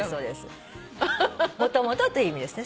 「もともと」という意味ですね。